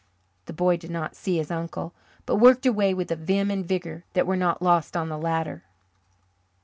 The boy did not see his uncle, but worked away with a vim and vigour that were not lost on the latter.